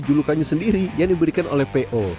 julukannya sendiri yang diberikan oleh po